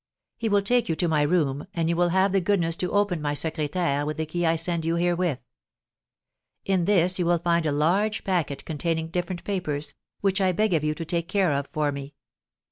He will take you to my room, and you will have the goodness to open my secrétaire with the key I send you herewith. In this you will find a large packet containing different papers, which I beg of you to take care of for me.